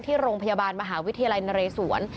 ที่โรงพยาบาลมหาวิทยาลัยนเรศวร